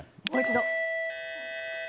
もう一度。